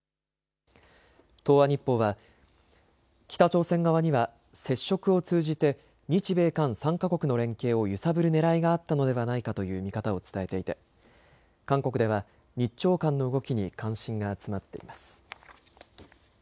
東亜日報は北朝鮮側には接触を通じて日米韓３か国の連携を揺さぶるねらいがあったのではないかという見方を伝えていて韓国では日朝間の動きに関心が集まっています。